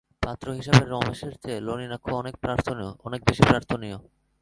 পাত্র হিসাবে রমেশের চেয়ে নলিনাক্ষ অনেক বেশি প্রার্থনীয়।